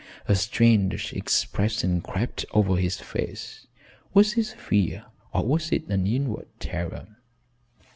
A strange expression crept over his face, was it fear or was it an inward terror?